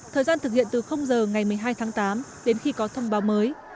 thời gian thực hiện từ giờ ngày một mươi hai tháng tám đến khi có thông báo mới